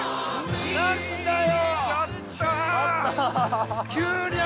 何だよ！